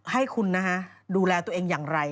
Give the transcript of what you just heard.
ให้คุณดูแลตัวเองอย่างไร